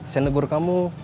saya negur kamu